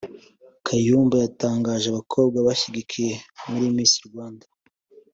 Kayumba batangaje abakobwa bashyigikiye muri Miss Rwanda